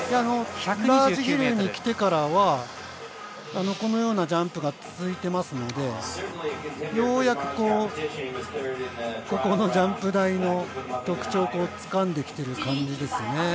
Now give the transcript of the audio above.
ラージヒルに来てからは、このようなジャンプが続いていますので、ようやくここのジャンプ台の特徴をつかんできている感じですね。